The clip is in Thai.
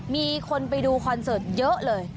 มีคนไปดูคอนเสิร์ตเยอะเลย